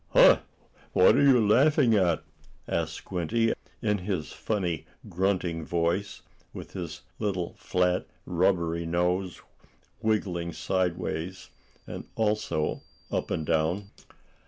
"Huh! What are you laughing at?" asked Squinty, in his funny grunting voice, with his little flat, rubbery nose wiggling sideways, and also up and down.